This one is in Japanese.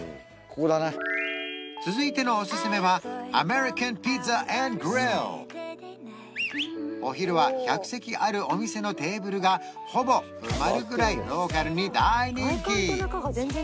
続いてのおすすめはお昼は１００席あるお店のテーブルがほぼ埋まるぐらいローカルに大人気